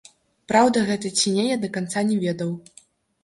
Праўда гэта ці не, я да канца не ведаў.